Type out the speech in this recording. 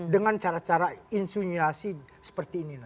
dengan cara cara insuniasi seperti ini